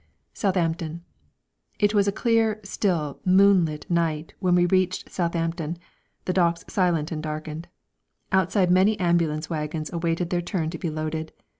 Southampton. It was a clear, still, moonlight night when we reached Southampton, the docks silent and darkened. Outside many ambulance wagons awaited their turn to be loaded.